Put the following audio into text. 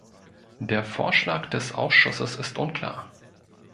Der Vorschlag des Ausschusses ist unklar.